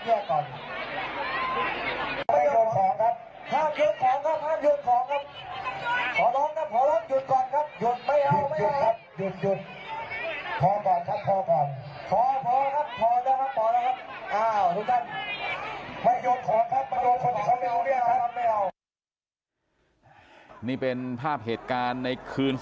ขอร้องนะครับขอร้องครับแยกแยกครับแยกก่อน